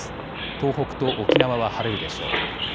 東北と沖縄は晴れるでしょう。